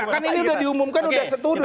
kan ini udah diumumkan sudah setuju